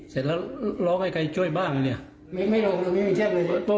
แล้วล้าให้ใครช่วยบ้างไม่เจือดเลย